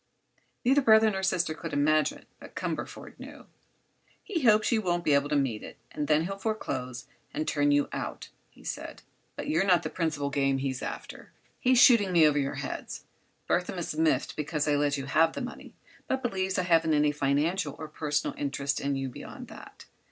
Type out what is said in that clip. Neither brother nor sister could imagine; but Cumberford knew. "He hopes you won't be able to meet it, and then he'll foreclose and turn you out," he said. "But you're not the principal game he's after; he's shooting me over your heads. Burthon is miffed because I let you have the money, but believes I haven't any financial or personal interest in you beyond that.